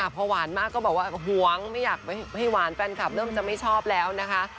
พอหวานมากก็บอกว่าหวงไม่อยากให้หวานแฟนคลับเริ่มจะไม่ชอบแล้วนะคะ